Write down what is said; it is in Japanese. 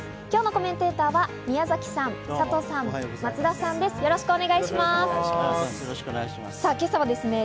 今日のコメンテーターの皆さんです。